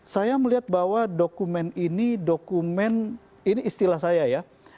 saya melihat bahwa dokumen ini dokumen ini istilah saya ya